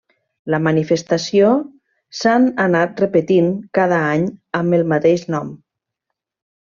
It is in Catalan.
La manifestació s'han anat repetint cada any amb el mateix nom.